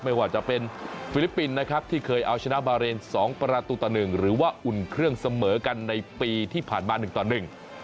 ไม่ว่าจะเป็นฟิลิปปินส์นะครับที่เคยเอาชนะบาเรนสองประตูต่อหนึ่งหรือว่าอุ่นเครื่องเสมอกันในปีที่ผ่านมาหนึ่งต่อหนึ่ง